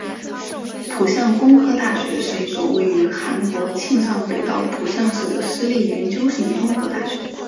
浦项工科大学是一所位于韩国庆尚北道浦项市的私立研究型综合大学。